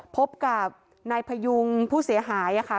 พบกับนายพยุงผู้เสียหาวิทยาลัย